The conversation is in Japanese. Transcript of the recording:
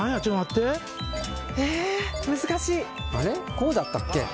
こうだったっけ？